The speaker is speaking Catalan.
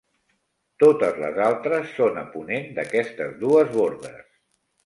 Totes les altres són a ponent d'aquestes dues bordes.